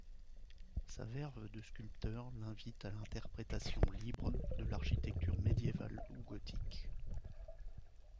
Sa verve de sculpteur l’invite à l’interprétation libre de l’architecture médiévale ou gothique.